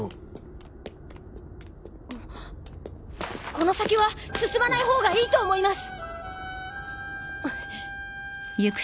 この先は進まない方がいいと思います！